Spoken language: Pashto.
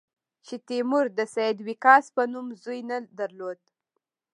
چې تیمور د سعد وقاص په نوم زوی نه درلود.